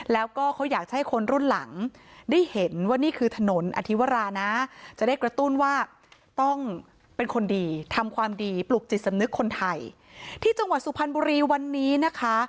แล้วก็เขาอยากให้คนรุ่นหลังได้เห็นว่านี่คือถนนอาธิวรานะ